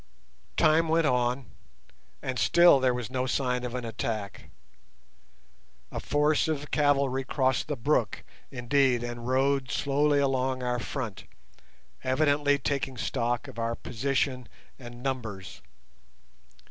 Time went on, and still there was no sign of an attack. A force of cavalry crossed the brook, indeed, and rode slowly along our front, evidently taking stock of our position and numbers.